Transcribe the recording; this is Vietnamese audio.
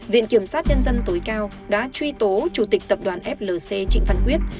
viện kiểm sát nhân dân tối cao đã truy tố chủ tịch tập đoàn flc trịnh văn quyết